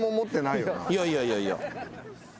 いやいやいやいや。